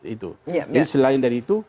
itu jadi selain dari itu